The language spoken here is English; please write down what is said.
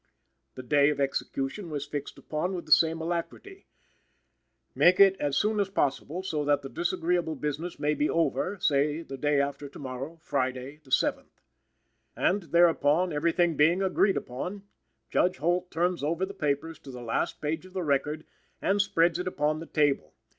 The day of execution was fixed upon with the same alacrity. "Make it as soon as possible, so that the disagreeable business may be over; say the day after to morrow Friday, the seventh." And, thereupon, everything being agreed upon, Judge Holt turns over the papers to the last page of the record and spreads it upon the table.